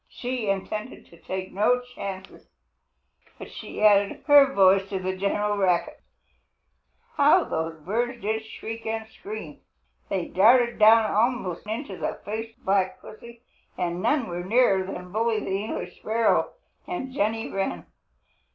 She intended to take no chances, but she added her voice to the general racket. How those birds did shriek and scream! They darted down almost into the face of Black Pussy, and none went nearer than Bully the English Sparrow and Jenny Wren.